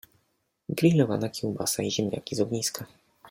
grilowana kiełbasa i ziemniaki z ogniska